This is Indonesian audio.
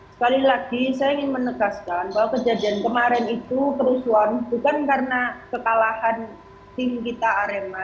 sekali lagi saya ingin menegaskan bahwa kejadian kemarin itu kerusuhan bukan karena kekalahan tim kita arema